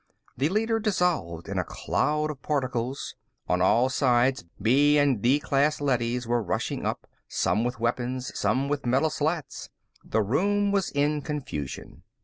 The leader dissolved in a cloud of particles. On all sides D and B class leadys were rushing up, some with weapons, some with metal slats. The room was in confusion.